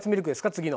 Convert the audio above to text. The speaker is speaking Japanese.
次の。